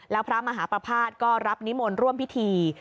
แล้วพระมหาประภาษณ์ก็รับนิมนต์ร่วมพิธี